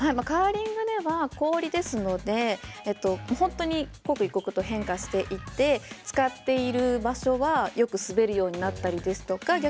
カーリングは氷ですので本当に刻一刻と変化していって使っている場所はよく滑るようになったりですとか